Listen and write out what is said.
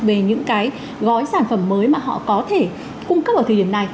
về những cái gói sản phẩm mới mà họ có thể cung cấp ở thời điểm này